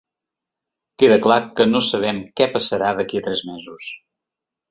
Queda clar que no sabem què passarà d’aquí a tres mesos.